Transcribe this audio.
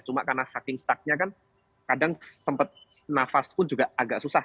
cuma karena saking stucknya kan kadang sempat nafas pun juga agak susah